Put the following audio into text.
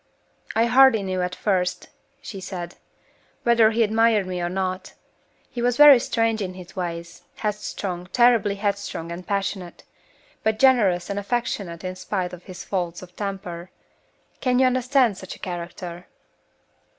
"I hardly knew at first," she said, "whether he admired me or not. He was very strange in his ways headstrong, terribly headstrong and passionate; but generous and affectionate in spite of his faults of temper. Can you understand such a character?"